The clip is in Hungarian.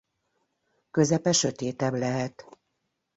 Közepe sötétebb lehet.